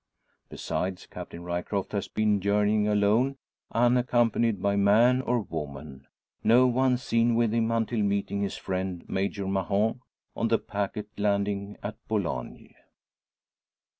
Besides, Captain Ryecroft has been journeying alone, unaccompanied by man or woman; no one seen with him until meeting his friend, Major Mahon, on the packet landing at Boulogne!